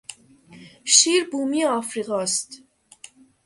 شیر بومی افریقا است.